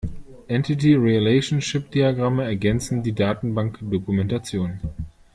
Entity-Relationship-Diagramme ergänzen die Datenbankdokumentation.